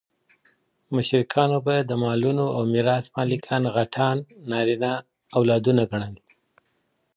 مشرکانو به د مالونو او ميراث مالکان غټان نارينه اولادونه ګڼل.